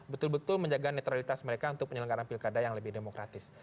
betul betul menjaga netralitas mereka untuk penyelenggaran pilkada yang lebih demokratis